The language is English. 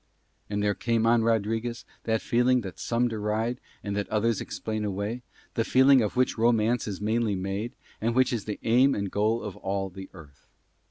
And there came on Rodriguez that feeling that some deride and that others explain away, the feeling of which romance is mainly made and which is the aim and goal of all the earth.